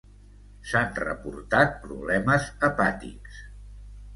S'han reportat problemes hepàtics.